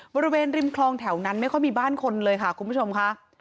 บริเวณริมคลองแถวนั้นไม่ค่อยมีบ้านคนเลยค่ะคุณผู้ชมค่ะ